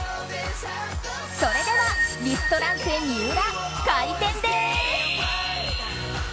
それではリストランテＭＩＵＲＡ開店です。